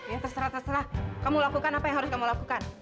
ya terserah terserah kamu lakukan apa yang harus kamu lakukan